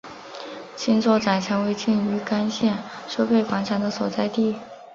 青洲仔成为青屿干线收费广场的所在地。